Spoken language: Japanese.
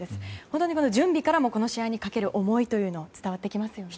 本当に準備からもこの試合にかける思いが伝わってきますよね。